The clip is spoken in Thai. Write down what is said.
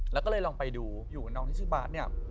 แล้วก็เลยลองไปดูอยู่น้องที่ชื่อบาสเนี่ย